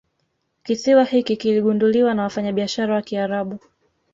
Kisiwa hiki kiligunduliwa na wafanyabiashara wa kiarabu